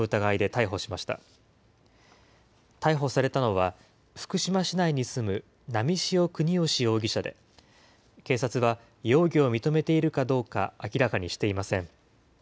逮捕されたのは、福島市内に住む波汐國芳容疑者で、警察は容疑を認めているかどうか明らかにしていません。